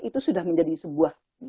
itu sudah menjadi sebuah